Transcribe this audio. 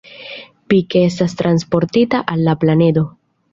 Pike estas transportita al la planedo.